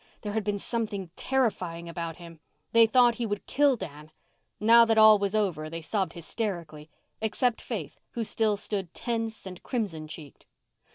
There had been something terrifying about him. They thought he would kill Dan. Now that all was over they sobbed hysterically—except Faith, who still stood tense and crimson cheeked.